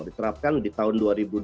diterapkan di tahun dua ribu dua puluh